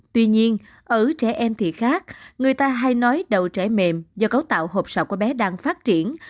tuy nhiên ở trẻ em thị khác người ta hay nói đầu trẻ mềm do cấu tạo hộp sọ của bé đang phát triển